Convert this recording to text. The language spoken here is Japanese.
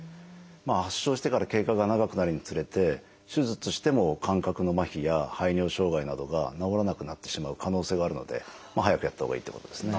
発症してから経過が長くなるにつれて手術しても感覚の麻痺や排尿障害などが治らなくなってしまう可能性があるので早くやったほうがいいってことですね。